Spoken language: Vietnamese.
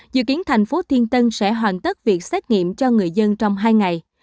dự kiến thành phố thiên tân sẽ hoàn tất việc xét nghiệm cho người dân trong hai ngày